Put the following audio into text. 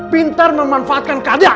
pintar memanfaatkan keadaan